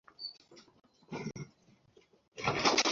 আমাকে হারাতে পারবে না!